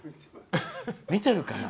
見てるかな？